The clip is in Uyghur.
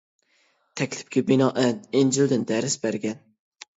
تەكلىپكە بىنائەن «ئىنجىل» دىن دەرس بەرگەن.